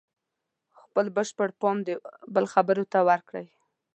خپل بشپړ پام د بل خبرو ته ورکړئ.